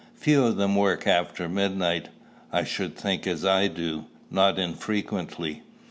Few of them work after midnight, I should think, as I do, not unfrequently."